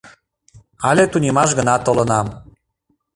Але тунемаш гына толынам.